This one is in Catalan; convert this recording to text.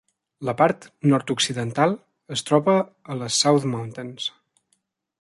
La part nord-occidental es troba a les South Mountains.